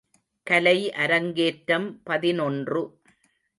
கலை அரங்கேற்றம் பதினொன்று .